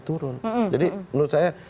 turun jadi menurut saya